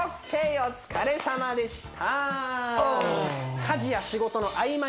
お疲れさまでした